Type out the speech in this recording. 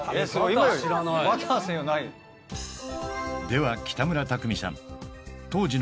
では北村匠海さん